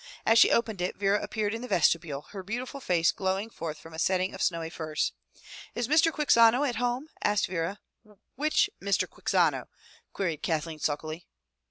As she opened it Vera appeared in the vestibule, her beautiful face glowing forth from a setting of snowy furs. "Is Mr. Quixano at home?" asked Vera. "Which Mr. Quixano?" queried Kathleen sulkily.